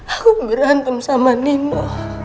aku berantem sama nino